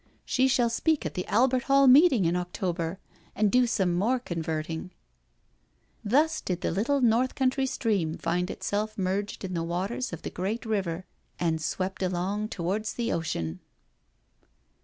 She shall speak at the Albert Hall meeting in October, and do some more converting," Thus did the little North Country stream find itself merged in the waters of the great river and swept along towards the ocean.